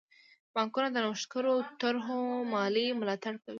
بانکونه د نوښتګرو طرحو مالي ملاتړ کوي.